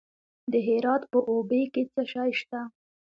د هرات په اوبې کې څه شی شته؟